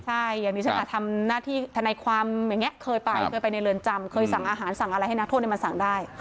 ใช่อย่างนี้ฉันทำหน้าที่ธนายความอย่างนี้เคยไปเคยไปในเรือนจำเคยสั่งอาหารสั่งอะไรให้นักโทษมาสั่งได้